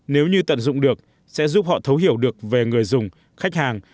nếu như tận dụng được sẽ giúp họ thấu hiểu được về người dùng khách hàng